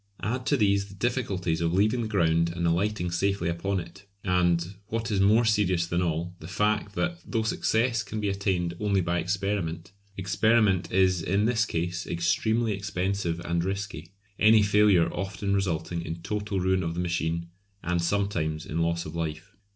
Add to these the difficulties of leaving the ground and alighting safely upon it; and, what is more serious than all, the fact that though success can be attained only by experiment, experiment is in this case extremely expensive and risky, any failure often resulting in total ruin of the machine, and sometimes in loss of life.